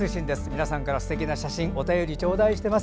皆さんからすてきな写真お便りを頂戴してます。